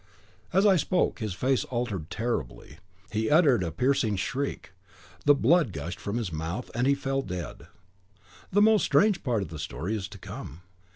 As I spoke, his face altered terribly; he uttered a piercing shriek, the blood gushed from his mouth, and he fell dead. The most strange part of the story is to come.